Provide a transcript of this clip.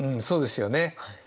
そうですよね。